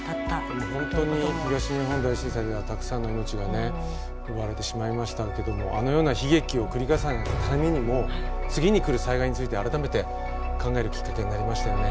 でも本当に東日本大震災ではたくさんの命が奪われてしまいましたけどあのような悲劇を繰り返さないためにも次に来る災害について改めて考えるきっかけになりましたよね。